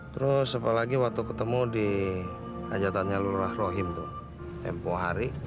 terus apalagi waktu ketemu di hajatannya lurah rohim tuh mpohari